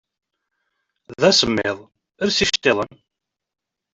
Dasemmiḍ, els icettiḍen!